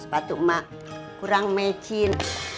sepatu emak kurang mecin